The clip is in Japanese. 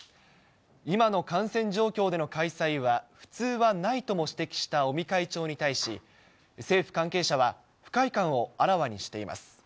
今の感染状況での開催は、普通はないとも指摘した尾身会長に対し、政府関係者は、不快感をあらわにしています。